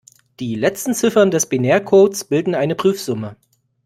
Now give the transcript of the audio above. Die letzten Ziffern des Binärcodes bilden eine Prüfsumme.